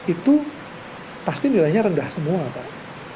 itu pasti nilainya rendah semua pak